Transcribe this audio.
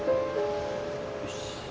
よし。